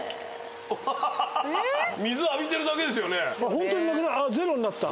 ホントに０になった。